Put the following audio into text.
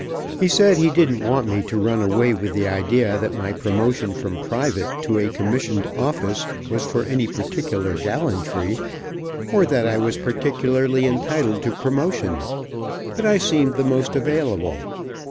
He said he didn't want me to run away with the idea that my promotion from private to a commissioned office was for any particular gallantry, or that I was particularly entitled to promotion, but I seemed the most available.